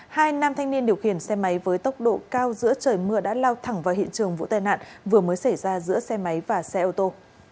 hai nam thanh niên điều khiển xe máy với tốc độ cao giữa trời mưa đã lao thẳng vào hiện trường vụ tai nạn vừa mới xảy ra giữa xe máy và xe ô tô